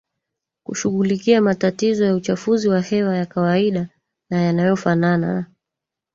kushughulikia matatizo ya uchafuzi wa hewa ya kawaida na yanayofanana